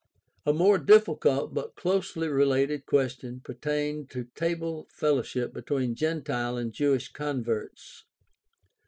A more difficult but closely related question pertained to table fellowship between gentile and Jewish converts.